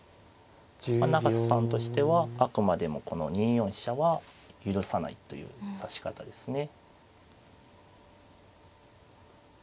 永瀬さんとしてはあくまでもこの２四飛車は許さないという指し方ですね。